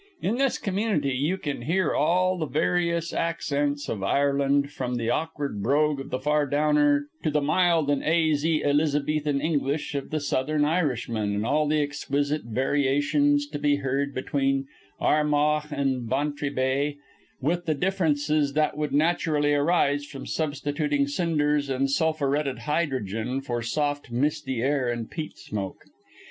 In this community you can hear all the various accents of Ireland, from the awkward brogue of the "far downer" to the mild and aisy Elizabethan English of the southern Irishman, and all the exquisite variations to be heard between Armagh and Bantry Bay, with the difference that would naturally arise from substituting cinders and sulphuretted hydrogen for soft misty air and peat smoke.